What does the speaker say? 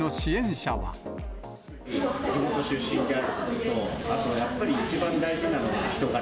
地元出身であることと、あとやっぱり、一番大事なのは人柄。